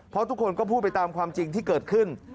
เพราะทุกคนก็พูดไปตามความจริงที่เกิดขึ้น